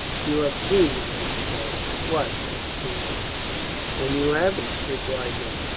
You have seen, I suppose?" "What?" asked Durrance. "Then you haven't," replied Mather.